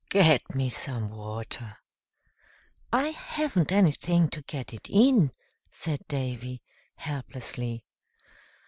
"Get me some water." "I haven't anything to get it in," said Davy, helplessly.